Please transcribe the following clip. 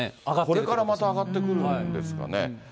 これからまた上がってくるんですかね。